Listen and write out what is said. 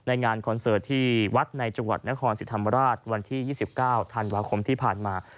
งานคอนเสิร์ตที่วัดในจังหวัดนครสิทธิ์ธรรมราชวันที่๒๙ธันวาคมที่ผ่านมา